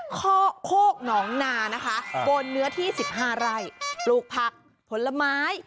ข้อโคกหนองนานะคะบนเนื้อที่๑๕ไร่ปลูกผักผลไม้